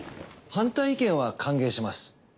反対意見は歓迎します。